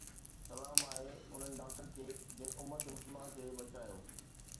سلام آهي انهن ڊاڪٽرن کي جن امت مسلمه کي بچايو